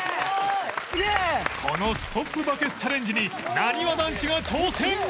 このスコップバケツチャレンジになにわ男子が挑戦！